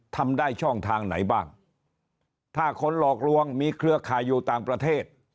ทำได้ช่องทางไหนบ้างถ้าคนหลอกลวงมีเครือข่ายอยู่ต่างประเทศ